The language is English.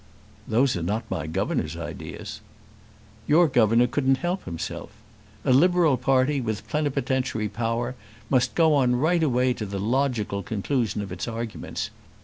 "Those are not my governor's ideas." "Your governor couldn't help himself. A Liberal party, with plenipotentiary power, must go on right away to the logical conclusion of its arguments.